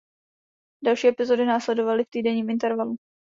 Další epizody následovaly v týdenním intervalu.